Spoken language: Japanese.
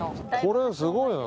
これすごいな。